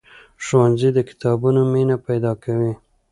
ښوونځی د کتابونو مینه پیدا کوي.